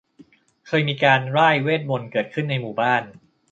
เคยมีการร่ายเวทมนตร์เกิดขึ้นในหมู่บ้าน